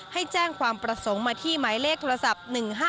ให้แจ้งความประสงค์มาที่หมายเลขโทรศัพท์๑๕๗